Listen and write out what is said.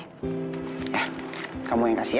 nah kamu yang kasih ya